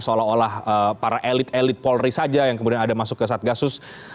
seolah olah para elit elit polri saja yang kemudian ada masuk ke satgasus